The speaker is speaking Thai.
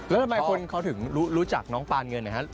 แล้วทำไมคนเขาถึงรู้จักน้องปานเงินนะครับ